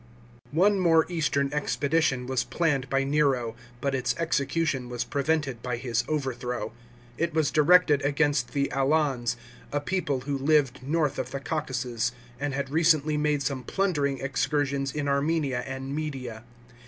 § 14. One more eastern expedition was planned by Nero, but its execution was prevented by his overthrow. It was directed against the Alans, a people who lived north of the Caucasus, and had recently made some plundering excursions in Armenia and Media.